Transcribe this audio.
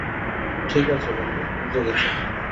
ঠিক আছে, বন্ধু, বুঝে গেছি।